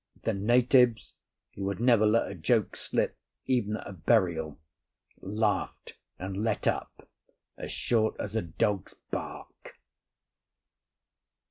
The natives, who would never let a joke slip, even at a burial, laughed and let up, as short as a dog's bark.